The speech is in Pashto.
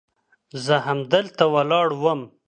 زه همدلته ولاړ وم.